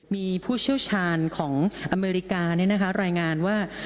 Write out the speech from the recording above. มีผู้เชี่ยวชาญของอเมริการายงานว่า